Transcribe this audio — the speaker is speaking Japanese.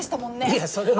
いやそれは。